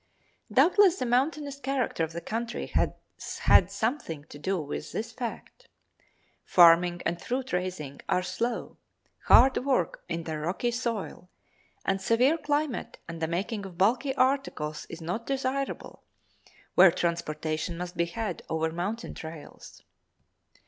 Doubtless the mountainous character of the country has had something to do with this fact; farming and fruit raising are slow, hard work in their rocky soil and severe climate and the making of bulky articles is not desirable where transportation must be had over mountain trails.